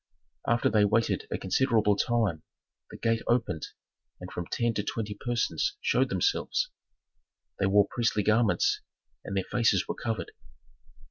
After they had waited a considerable time, the gate opened, and from ten to twenty persons showed themselves. They wore priestly garments and their faces were covered.